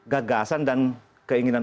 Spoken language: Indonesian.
gagasan dan keinginan